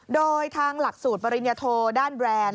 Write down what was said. โดยทางหลักสูตรปริญญโทด้านแบรนด์